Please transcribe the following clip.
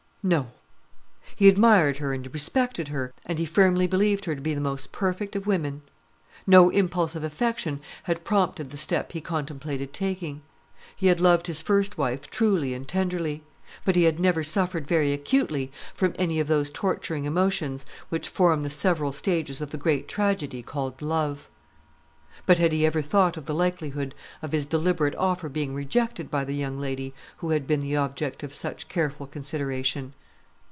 No. He admired her and respected her, and he firmly believed her to be the most perfect of women. No impulse of affection had prompted the step he contemplated taking. He had loved his first wife truly and tenderly; but he had never suffered very acutely from any of those torturing emotions which form the several stages of the great tragedy called Love. But had he ever thought of the likelihood of his deliberate offer being rejected by the young lady who had been the object of such careful consideration?